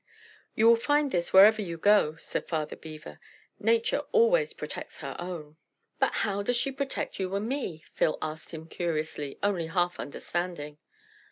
"You will find this wherever you go," said Father Beaver, "Nature always protects her own." "How does she protect you and me?" Phil asked him curiously, only half understanding.